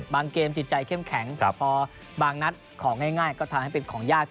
เกมจิตใจเข้มแข็งพอบางนัดของง่ายก็ทำให้เป็นของยาก